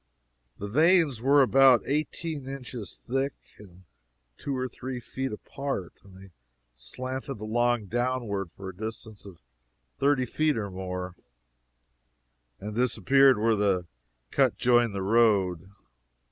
The veins were about eighteen inches thick and two or three feet apart, and they slanted along downward for a distance of thirty feet or more, and then disappeared where the cut joined the road.